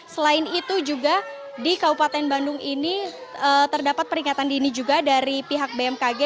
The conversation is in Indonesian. selain itu juga di kabupaten bandung ini terdapat peringatan dini juga dari pihak bmkg